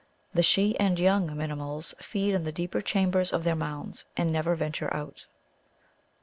The she and young Minimuls feed in the deeper chambers of their mounds, and never venture out.